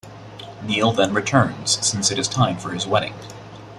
Neal then returns since it is time for his wedding.